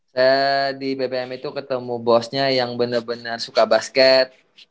saya di bbm itu ketemu bosnya yang bener bener suka basket